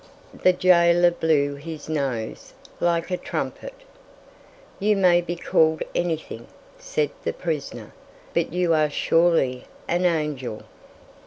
The jailer blew his nose like a trumpet. "You may be called anything," said the prisoner, "but you are surely an angel."